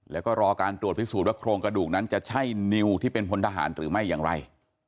แล้วก็รอการตรวจพิสูจนว่าโครงกระดูกนั้นจะใช่นิวที่เป็นพลทหารหรือไม่อย่างไร